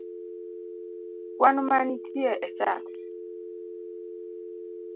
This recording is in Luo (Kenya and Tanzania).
kwan manitie e chat?